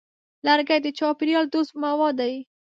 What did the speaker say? لرګی د چاپېریال دوست مواد دی.